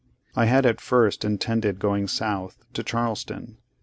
I had at first intended going South—to Charleston.